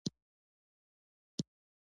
کلتور د افغانستان د طبیعي پدیدو یو رنګ دی.